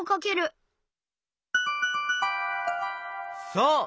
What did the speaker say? そう。